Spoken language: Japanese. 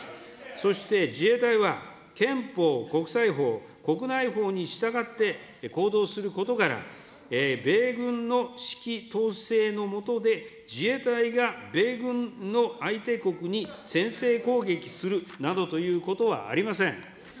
そして自衛隊は、憲法、国際法、国内法に従って行動することから、米軍の指揮統制の下で、自衛隊が米軍の相手国に先制攻撃するなどということはありません。